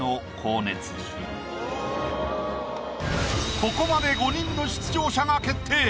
ここまで５人の出場者が決定。